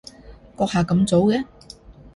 閣下咁早嘅？